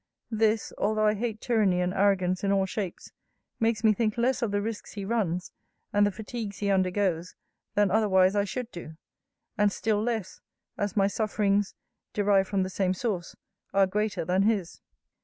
This, although I hate tyranny and arrogance in all shapes, makes me think less of the risques he runs, and the fatigues he undergoes, than otherwise I should do; and still less, as my sufferings (derived from the same source) are greater than his.